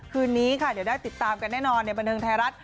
คืนนี้ค่ะเดี๋ยวได้ติดตามกันแน่นอนในบันเทิงไทยรัฐ